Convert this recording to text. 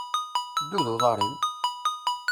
Ddu d uḍaṛ-im!